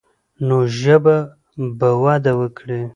نو ژبه به وده وکړي.